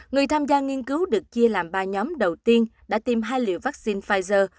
người tham gia nghiên cứu được chia làm ba nhóm đầu tiên đã tìm hai liều vaccine pfizer